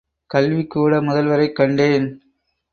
கல்விக்கூட முதல்வரைக் கண்டேன்.